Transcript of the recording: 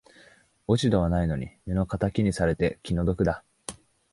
落ち度はないのに目の敵にされて気の毒だ